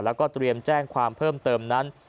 แล้วก็เตรียมแจ้งความเพิ่มเติมนั้น